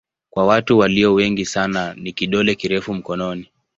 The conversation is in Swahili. Kwa watu walio wengi sana ni kidole kirefu mkononi.